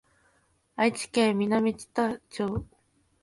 愛知県南知多町